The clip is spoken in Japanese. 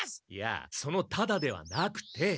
いやその「ただ」ではなくて。